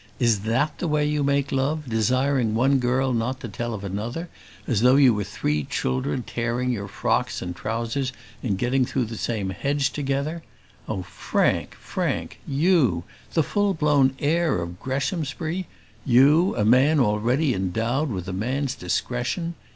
Is that the way you make love, desiring one girl not to tell of another, as though you were three children, tearing your frocks and trousers in getting through the same hedge together? Oh, Frank! Frank! you, the full blown heir of Greshamsbury? You, a man already endowed with a man's discretion?